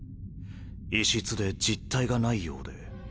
異質で実体がないようで。